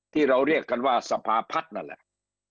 ที่เราเรียกกันว่าสภาพัฒน์นั่นแหละ